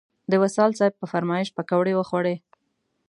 د وصال صیب په فرمایش پکوړې وخوړې.